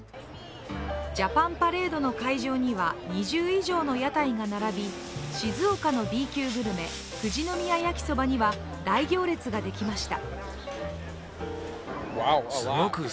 ジャパンパレードの会場には２０以上の屋台が並び静岡のＢ級グルメ富士宮やきそばには大行列ができました。